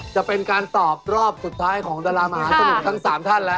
จะเป็นการตอบรอบสุดท้ายของดารามหาสนุกทั้ง๓ท่านแล้ว